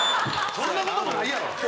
そんな事もないやろ。